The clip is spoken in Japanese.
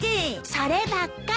そればっかり。